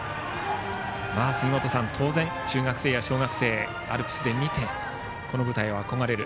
杉本さん、当然中学生や小学生アルプスで見てこの舞台を憧れる。